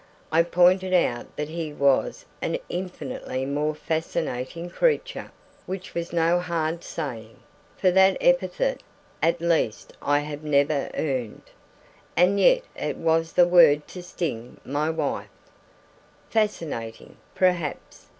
I pointed out that he was an infinitely more fascinating creature, which was no hard saying, for that epithet at least I have never earned. And yet it was the word to sting my wife. "Fascinating, perhaps!"